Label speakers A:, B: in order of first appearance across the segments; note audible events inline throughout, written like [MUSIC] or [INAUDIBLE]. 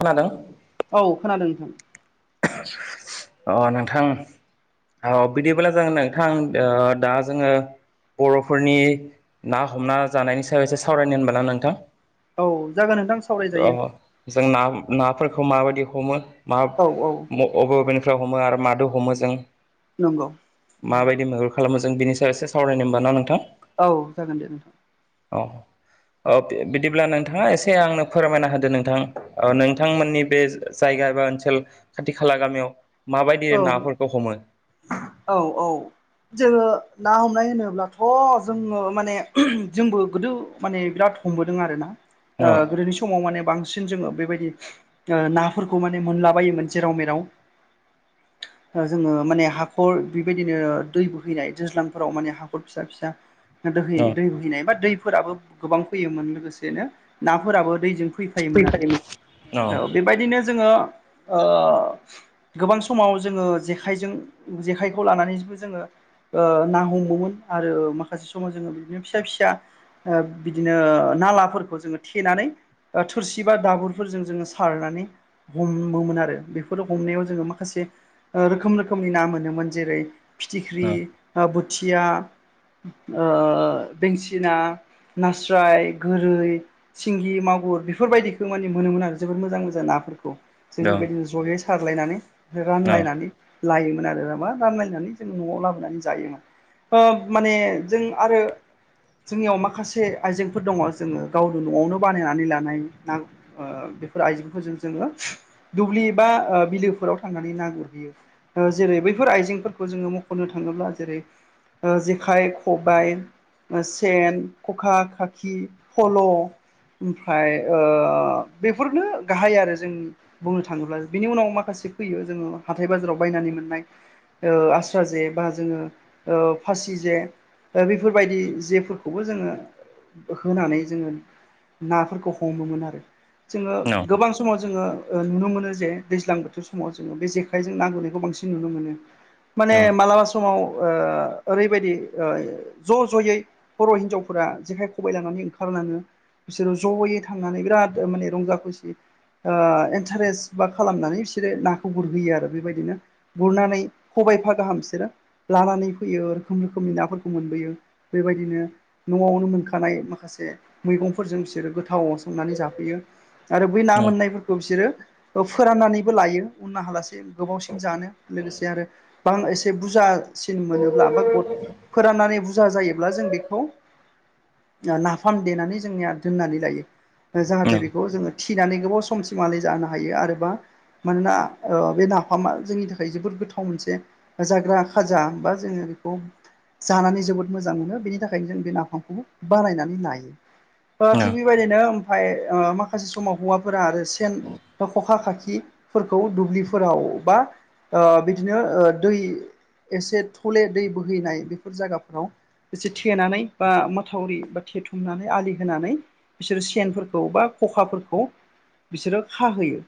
A: खोनादों
B: औ खोनादों नोंथां
A: अ नोंथां औ बिदिब्लाब्ला जों नोंथां दा जोङो बर'फोरनि ना हमना जानायनि सायाव एसे सावरायनो होनबाना नोंथां
B: औ जागोन नोंथां
A: अ
B: सावरायजायो
A: जों ना नाफोरखौ माबायदि हमो मा
B: औ औ
A: अबे अबेनिफ्राय हमो आरो मादो हमो जों
B: नंगौ
A: माबायदि मैहुर खालामो जों बिनि सायाव एसे सावरायनो होमबा ना नोंथां
B: औ जागोन दे नोंथां
A: अ अ बिदिब्ला नोंथाङा एसे आंनो फोरमायना होदो नोंथां ओ नोंथांमोननि बे जायगा एबा ओनसोल खाथि खाला गामियाव माबायदि
B: औ
A: नाफोरखौ हमो
B: औ औ जोङो ना हमनाय होनोब्लाथ' जोङो माने जोंबो गोदो माने बिराद हमबोदों आरोना ओ
A: अ
B: गोदोनि समाव समाव माने बांसिन जोङो बेबायदि नाफोरखौ माने मोनला बायोमोन जेराव मेराव ओ जोङो माने हाखर बेबायदिनो दै बोहैनाय दैज्लांफोराव माने हाखर फिसा फिसा होयो बा दै बोहैनाय बा दैफोराबो गोबां फैयोमोन लोगोसेनो नाफोराबो दैजों फै फायोमोन आरो
A: अ
B: औ
A: अ
B: बेबायदिनो जोङो गोबां स समाव जोङो जेखायजों जेखाइखौ लानानैबो जोङो ओ ना हमोमोन आरो माखासे समाव जोङो बिदिनो फिसा फिसा ओ बिदिनो नालाफोरखौ जोङो थेनानै ओ थोरसि बा दाबुरफोरजों जोङो सारनानै हमोमोन आरो बेफोर हमनायाव जोङो मा माखासे रोखोम रोखोमनि ना मोनोमोन जेरै फिथिख्रि
A: अ
B: बोथिया ओ बेंसिना नास्राय गोरै सिंगि मागुर बेफोरबायदिखौ माने मोनोमोन आरो जोबोद मोजां मोजां नाफोरखौ जों बेबायदिनो जयै सारलायनानै रानलायनानै लायोमोन आरो मा रानलायनानै जोङो न'आव लाबोनानै जायोमोन। ओ माने जों आरो जोंनियाव माखासे आइजेंफोर दङ जोङो गावनो न'आवनो बानायनानै लानाय ना ओ बेफोर आइजेंफोरजों जोङो दुब्लि बा ओ बिलोफोराव थांनानै ना गुरहैयो ओ जेरै बैफोर आइजेंफोरखौ जोङो मख'नो थाङोब्ला जेरै ओ जेखाइ खबाय सेन खखा खाखि फल' ओमफ्राय ओ बेफोरनो गाहाय आरो जों बुंनो थाङोब्ला बिनि उनाव माखासे फैयो जोङो हाथाय बाजाराव बायनानै मोननाय ओ आस्रा जे बा जोङो ओ फासि जे ओ बेफोरबायदि जेफोरखौबो जोङो होखोनानै जोङो नाफोरखौ हमोमोन आरो। जोङो गोबां समाव जोङो ओ नुनो मोनो जे दैज्लां बोथोर सम समाव जोङो बे जेखायजों ना गुरनायखौ बां नुनो मोन मालाबा सम समाव ओ ओरैबायदि ओ ज' ज'यै बर' हिनजावफोरा जेखाइ खबाइ लानानै ओंखारलाङो बिसोरो ज'यै थांनानै बिराद माने रंजा खुसि ओ इन्टारेस्ट बा खालामनानै बिसोरो नाखौ गुरहैयो आरो बेबायदिनो गुरनानै खबाइफा गाहाम बिसोरो लानानै फैयो रोखोम रोखोमनि नाफोरखौ मोनबोयो बेबायदिनो न'आवनो मोनखानाय माखासे मैगंफोरजों बिसोरो गोथाव संनानै जाफैयो। आरो बै ना मोननायफोरखौ बिसोरो फोराननानै लायो उना हालासे गोबावसिन जानो लोगोसे आरो बां एसे बुरजा सिन मोनोब्ला बा ग फोराननानै बुरजा जायोब्ला जों बेखौ नाफाम देनानै जोंनिया दोननानै लायो। जाहाथे बेखौ जोङो थिनानै गोबाव समसिमालाय जानो हायो आरोबा मानोना बे नाफामा जोंनि थाखाय जोबोद गोथाव मोनसे जाग्रा खाजा बा जोङो बेखौ जानानै जोबोद मोजां मोनो बेनि थाखायनो जों बे नाफामखौ बानायनानै लायो। थिग बेबायदिनो ओमफफ्राय माखासे समाव हौवाफोरा आरो सेन बा खखा खाखि फोरखौ दुब्लिफोराव बा ओ बिदिनो दै एसे थले दै बोहैनाय बेफोर जायगाफोराव एसे थेनानै बा माथावरि बा थेथुमनानै आलि होनानै बिसोरो सेनफोरखौ बा खखाफोरखौ बिसोरो खाहोयो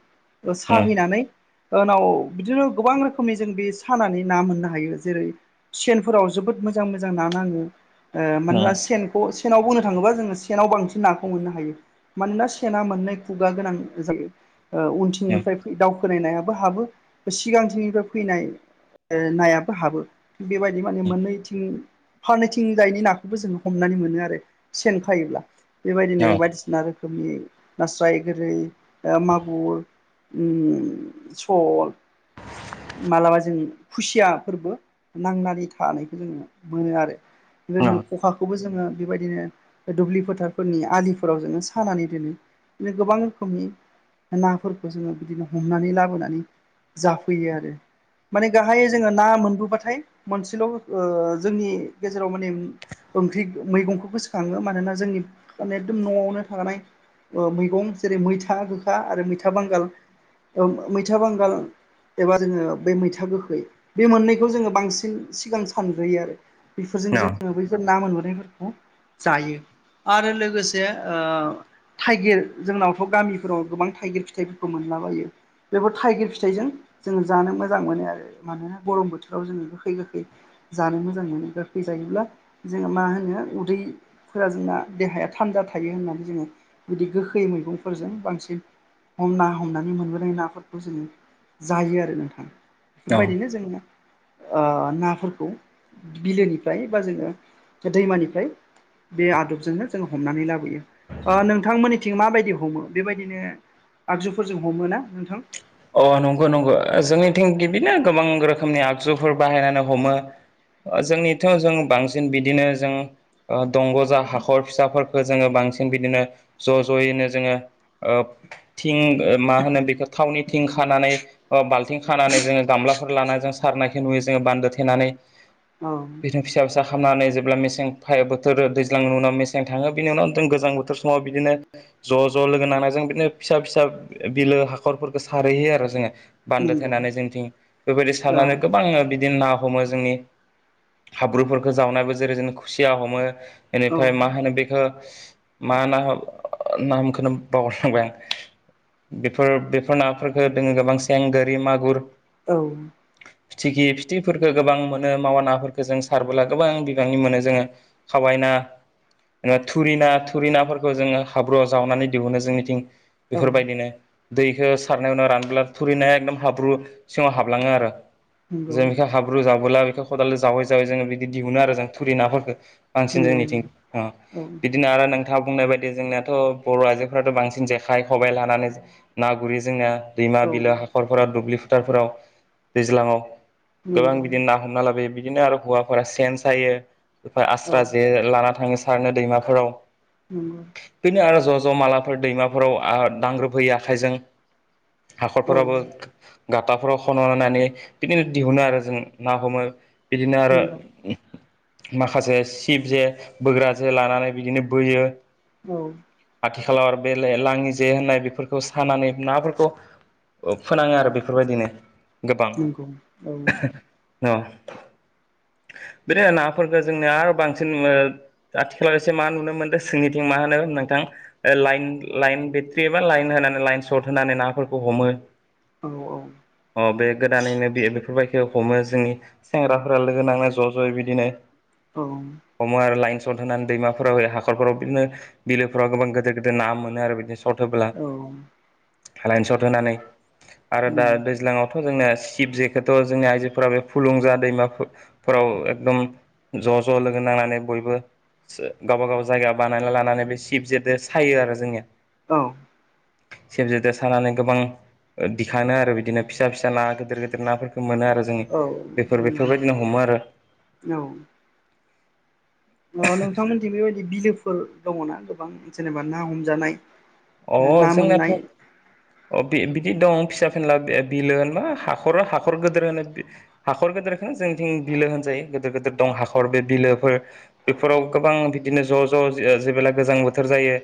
B: साहैनानै उनाव बिदिनो गोबां रोखोमनि जों बे सानानै ना मोननो हायो जेरै सेनफोराव जोबोद मोजां मोजां ना नाङो ओ मानोना सेन थ' सेनाव बोनो थाङोबा जोङो सेनाव बांसिन नाखौ मोननो हायो मानोना सेना मोननै खुगा गोनां जायो ओ उनथिंनिफ्राय दावखोनाय नायाबो हाबो सिगांथिनिफ्राय फैनाय नायाबो हाबो थिग बेबायदि माने मोननैथिं फारनिथिं जायनि नाखौबो जोङो हमनानै मोनो आरो सेन खायोब्ला बेबायदिनो बायदिसिना रोखोमनि नास्राय गोरै मागुर उम सल मालाबा जों खुसियाफोरबो नांनानै थानायखौ जों मोनो आरो बेबायदिनो खखाखौबो जोङो बेबायदिनो दुब्लि फोथारफोरनि आलिफोराव जोङो सानानै दोनो बि गोबां रोखोमनि नाफोरखौ जोङो बिदिनो हमनानै लाबोनानै जाफैयो आरो माने गाहायै जोङो ना मोनबोबाथाय मोनसेल' ओ जोंनि गेजेराव माने ओंख्रि मैगंखौ गोसोखाङो मानोना जोंनि माने एकदम न'आवनो थानाय ओ मैगं जेरै मैथा गोखा आरो मैथा बांगाल औ मैथा बांगाल एबा जोङो बे मैथा गोखै बे मोननैखौ जोङो बांसिन सिगां सानग्रोयो आरो बेफोरजों जोङो बैफोर ना मोनबोनायफोरखौ जायो आरो लोगोसे ओ थाइगिर जोंनावथ' गामिफोराव गोबां थाइगिर फिथाइफोरखौ मोनलाबायो बेफोर थाइगिर फिथाइजों जोङो जानो मोजां मोनो आरो मानोना गरम बोथोराव जोङो गोखै गोखै जानो मोजां मोनो गोखै जायोब्ला जोङो मा होनो उदै फोर जोंना देहाया थान्दा थायो होननानै जोङो बिदि गोखै मैगंफोरजों बांसिन हमना हमनानै मोनबोनाय नाफोरखौ जोङो जायो आरो नोंथाङा बेफोरबायदिनो जोङो आ नाफोरखौ बिलोनिफ्राय बा जोङो दैमानिफ्राय बे आदबजोंनो जों हमनानै लाबोयो आ नोंथांमोननिथिं माबायदि हमो बेबायदिनो आगजुफोरजों हमो ना नोंथां
A: अ नंगौ नंगौ जोंनिथिं बिदिनो गोबां रोखोमनि आगजुफोर बाहायनानै हमो जोंनिथ' जों बांसिन बिदिनो जों दंग' जा हाखर फिसाफोरखौ जोङो बांसिन बिदिनो ज' ज'यैनो जोङो ओ थिं मा होनो बेखौ थावनि थिं खानानै अ बाल्थिं खानानै जोङो गामलाफोर लानानानै जों सारनायखौ नुयो जोङो बान्दो थेनानै
B: औ
A: बिदिनो फिसा फिसा खालामनानै जेब्ला मेसें फायो बोथोर दैज्लांनि उनाव मेसें थाङो बिनि उनाव जों गोजां बोथोर समाव बिदिनो ज' ज' लोगो नांना जों बिदिनो फिसा फिसा बिलो हाखरफोर सारहैहयो आरो जोङो बान्दो
B: नंगौ
A: थनानै जोंथिं बेबायदि
B: औ
A: सारनानै गोबां बिदिनो ना हमो जोंनि हाब्रुफोरखौ जावनाबो जेरै जों खुसिया हमो
B: औ
A: बेनिफ्राय मा होनो बेखौ मा ना नामखौनो बावगार लांबाय आं बेफोर बे फोर नाफोरखौ दोङो गोबां सें गोरि मागुर
B: औ
A: फिथिखि फिथिफोरखो गोबां मोनो मावा नाफोरखौ जों सारबोला गोबां बिबांनि मोनो जोङो खावाय ना जेनेबा थुरिना थुरिनाफोरखौ जोङो हाब्रुआव जावनानै दिहुनो जोंनिथिं
B: औ
A: बेफोरबायदिनो बेखौ सारनायावनो रानोब्ला थुरिनाया एकदम हाब्रु सिङाव हाबलाङो आरो
B: नंगौ
A: जों बेखौ हाब्रु जाबोला बेखौ खदालजों जावै जावै जोङो बिदि दिहुनो आरो जों थुरि नाफोरखौ बांसिन
B: नंगौ
A: जोंनिथिं अ
B: औ
A: बिदिनो आरो नोंथाङा बुंनाय बायदि जोंनियाथ' बर' आइजोफ्राथ' बांसिन जेखाइ खबाइ लानानै ना गुरि जोंनिया दैमा
B: औ
A: बिलो हाखरफोराव दुब्लि फोथारफोराव दैज्लाङाव गोबां
B: नंगौ
A: बिदि ना हमना लाबोयो बिदिनो आरो हौवाफोरा सेन सायो
B: औ
A: आस्रा जे लाना थाङो सारनो दैमाफोराव
B: उम
A: बेनो आरो ज' ज' मालाफोर दैमाफोराव दांग्रोबहैयो आखाइजों हाखरफोराबो
B: औ
A: गाथाफोराव खन' लनानै बिदिनो दिहुनो आरो जों ना हमो बिदिनो आरो
B: नंगौ
A: माखासे सिब जे बोग्रा जे लानानै बिदिनो बोयो
B: औ
A: आथिखालाव आरो बे लाङि जे होननाय बेफ खौ सानानै नाफोरखौ फोनाङो आरो बेफोरबायदिनो गोबां
B: नंगौ औ
A: [INAUDIBLE] औ बिदिनो नाफोरखौ जोंनिया आरो बांसिन आथिखालाव एसे मा नुनो मोनदों सोंनिथिं मा होनो नोंथां लाइन लाइन बेट्रि एबा लाइन होनानै लाइन सर्ट होनानै नाफोरखौ हमो
B: औ-औ
A: अ बे गोदानैनो बे बेफोरबायदि हमो जोंनि सेंग्राफोरा लोगो नांनाय ज' ज' बिदिनो
B: औ
A: हमो आरो लाइन सट होनानै दैमाफोराव हाखरफोराव बिदिनो बिलोफोराव गोबां गिदिर गिदिर ना मोनो आरो बिदिनो सथ होब्ला
B: औ
A: लाइन सट होनानै आरो दा
B: उम
A: दैज्लाङाव दाथ' जोंना सिब जेखौथ' जोंनि आइजोफोरा बे फुलुंजा दैमाफोराव एकदम ज' ज' लोगो नांनानै बयबो गावबा गाव जायगायाव बानायना लानानै बे सिब जेदो सायो आरो जोङो
B: औ
A: सेब जेदेर सानानै गोबां दिखाो आरो बिदिनो फिसा फिसा ना गिदिर गिदिर नाफोरखौ मोनो आरो जों
B: औ
A: बेफोर बेफोरबायदिनो हमो आरो
B: औ नोंथांमोनथि बेबायदि बिलोफोर दङना गोबां जेनेबा ना हमजानाय
A: अ
B: ना मोननाय
A: जोंनाथ' अ बिदि दं फिसा फिला बिलो होनबा हाखर हाखर गिदिर होनो हाखर गिदेरखौनो जोंथिं बिलो होनजायो गिदिर गिदिर दं हाखर बे बिलोफोर बेफोराव गोबां बिदिनो ज' ज' जेबोला गोजां बोथोर जायो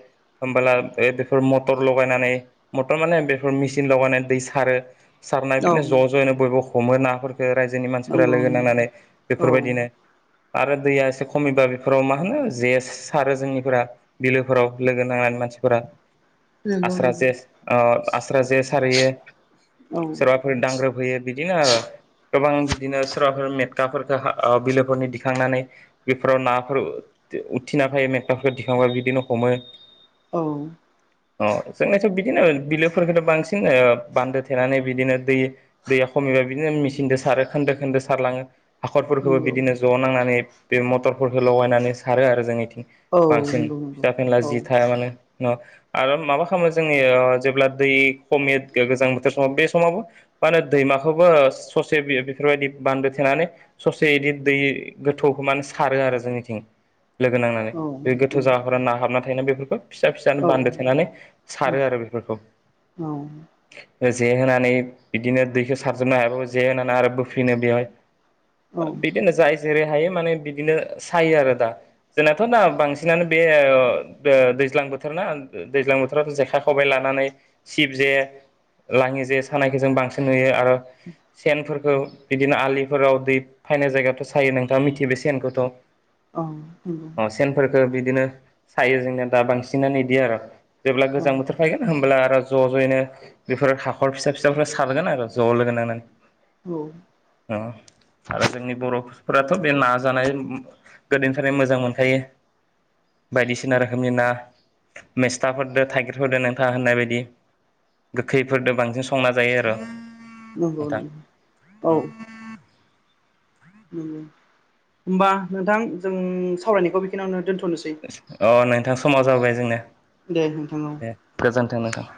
A: होमबला बेफोर मटर लगायनानै मटर माने बेफोर मेचिन लगायनानै दै सारो सारनाय
B: औ
A: बिदिनो ज' ज'यैनो बयबो हमो नाफोर खो बे रायजोनि मानसिफोरा
B: नंगौ
A: लोगो नांनानै
B: नंगौ औ
A: बेफोरबायदिनो आरो दैया एसे खमिबा बेफोराव मा होनो जे सारो जोंनिफोरा बिलोफोराव लोगो नांनानै मानसि ओ
B: नंगौ
A: आस्रा
B: नंगौ
A: जे आस्रा जे सारैयो
B: औ
A: सोरबा फोर दांग्रोबफैयो बिदिनो आरो गोबां बिदिनो सोरबाफोर मेटखाफोरफोरखौ बिलोफोरनि दिखांनानै बेफोराव नाफोर उथिना फायो मेटकाफोरखौ दिखांबा बिदिनो हमो
B: औ
A: अ जोंनिथ' बिदिनो बिलोफोरखौथ' बांसिन बान्दो थेनानै बिदिनो दै दैया खमैबा बिदिनो मेसिनजों सारो खोन्दो खोन्दो सारलाङो हाखरफोरखौबो
B: नंगौ
A: बिदिनो ज' नांनानै बे मथरफोरखौ लगायनानै सारो आरो जोंनिथिं
B: औ
A: बांसिन
B: नंगौ नंगौ
A: फिसा फेनला जि
B: औ
A: थाया मानो आरो माबा खालामो जोङो जेब्ला दै खमायो गोजां बोथोर समाव बे समावबो मा होनो दैमाखौबो ससे बेफोरबायदि बान्दो थेनानै ससे बिदि दै गोथौखौ माने सारो आरो जोंनिथिं लोगो नांनानै
B: औ
A: बे गोथौ
B: उम
A: जायगा [UNINTELLIGIBLE] ना हाबना थायोना बेफोरखौ फिसा फिसानो
B: औ
A: बान्दो थेनानै
B: उम
A: सारो आरो बेफोरखौ
B: औ
A: जे होनानै बिदिनो दैखौ सारजोबनो हायाबाबो जे होनानै आरो बोफिनो बेवहाय
B: औ
A: बिदिनो जाय जेरै हायो माने बिदिनो सायो आरो दा जोंनाथ' दा बांसिन बि बे [UNINTELLIGIBLE] दैज्लां बोथोर ना दैज्लां बोथोराव जेखा खबाइ लानानै सिब [UNINTELLIGIBLE] जे लाङि जे सानायखौ जों बांसिन नुयो आरो सेनफोरखौ बिदिनो आलिफोराव दै फायनाय जायगायावथ' सायो नोंथाङा मिथियो बे सेनखौथ'
B: औ नंगौ
A: अ सेनफोरखौ बिदिनो सायो जोंनिया दा बांसिनानो बिदि आरो जेब्ला
B: औ
A: गोजां
B: नंगौ
A: बोथोर फायगोन होमब्ला आरो ज' ज'यैनो बेफोर हाखर फिसा फिसाफोरखौ सारगोन आरो ज' लोगो नांनानै
B: औ
A: हा [UNINTELLIGIBLE] आरो जोंनि बर'फोराथ' बे ना जानाय गोदोनिफ्रायनो मोजां मोनखायो बायदिसिना रोखोमनि ना मेस्थाफोरदो थाइगिरफोरदो नोंथाङा होननाय बायदि गोखैफोरजों बांसिन संना जायो आरो
B: नंगौ
A: नोंथां
B: नों [UNINTELLIGIBLE] औ होमबा नोंथां जों सावरायनायखौ बेखिनियावनो दोन्थ'नोसै
A: अ नोंथां समाव जाबोबाय जोंनि
B: दे नोंथां औ
A: दे गोजोनथों नोंथां